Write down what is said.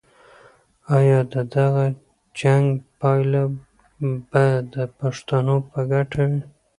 آیا د دغه جنګ پایله به د پښتنو په ګټه وي؟